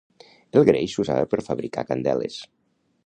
El greix s'usava per fabricar candeles.